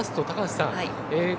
高橋さん